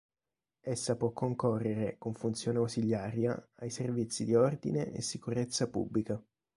Essa può concorrere, con funzione ausiliaria, ai servizi di ordine e sicurezza pubblica.